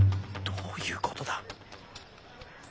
どういうことだ。